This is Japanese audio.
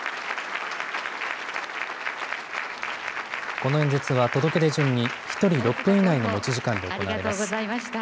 この演説は届け出順に１人６分以内の持ち時間で行われます。